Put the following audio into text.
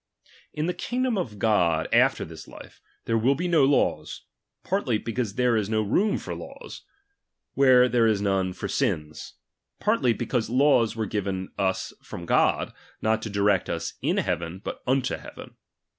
In the kingdom of God after this life, there Th"' ^' will be no laws ; partly, because there is no room cimM, tesd. for laws, where there is none for sins ; partly, tu' because laws were given us from God, not to di rect us in heaven, but unto heaven.